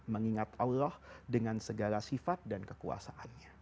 mengingat allah dengan segala sifat dan kekuasaannya